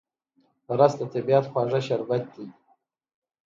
رس د طبیعت خواږه شربت دی